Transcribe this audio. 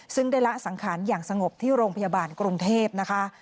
ซึ่งได้ละสังขารอย่างสงบที่โรงพยาบาลกรุงเทพนะคะ